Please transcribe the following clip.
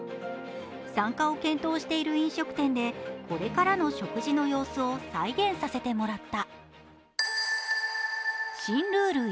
参加を検討している飲食店でこれからの食事の様子を再現させてもらった。